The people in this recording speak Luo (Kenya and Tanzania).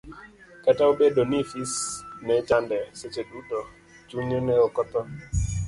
Kata obedo ni fis ne chande seche duto, chunye ne ok otho.